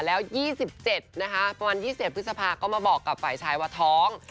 แล้ว๒๗นะคะประมาณ๒๗พฤษภาก็มาบอกกับฝ่ายชายว่าท้อง